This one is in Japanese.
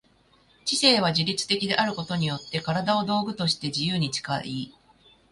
知性は自律的であることによって身体を道具として自由に使い、